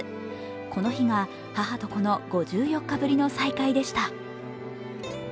この日が母と子の５４日ぶりの再会でした。